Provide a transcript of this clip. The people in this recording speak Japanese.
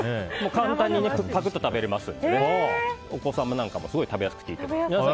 簡単にパクッと食べれますのでお子様なんかも、すごい食べやすくていいと思います。